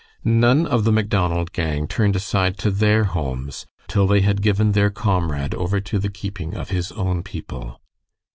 None of the Macdonald gang turned aside to their homes till they had given their comrade over into the keeping of his own people.